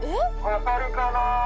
「分かるかな？」。